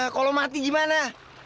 kalau mati gimana